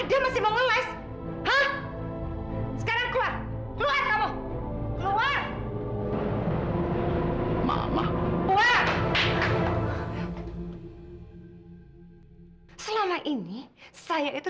kau tuh bener bener keterlaluan tau